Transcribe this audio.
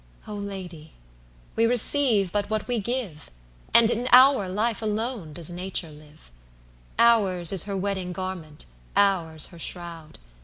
IVO Lady! we receive but what we give, And in our life alone does Nature live; Ours is her wedding garment, ours her shroud!